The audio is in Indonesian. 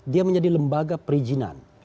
dia menjadi lembaga perizinan